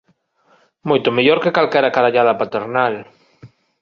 Moito mellor que calquera carallada paternal.